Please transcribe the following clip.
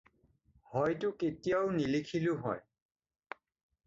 হয়তো কেতিয়াও নিলিখিলোঁ হয়।